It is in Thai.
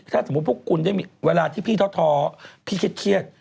ถ้าสมมุติพวกคุณได้มีเวลาที่พี่ท้อพี่เครียด